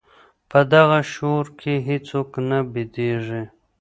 په دغه شور کي هیڅوک نه بېدېږي.